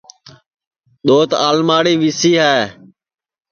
دؔوت آلماڑی وی سی ہے